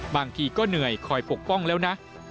บางทีก็เหนื่อยคอยปกป้องแล้วนะ